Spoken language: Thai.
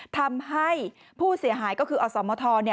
ทำให้ผู้เสียหายก็คืออสมทร